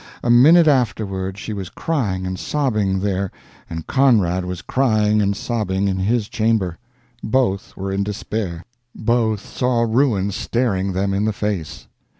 A minute afterward she was crying and sobbing there, and Conrad was crying and sobbing in his chamber. Both were in despair. Both saw ruin staring them in the face.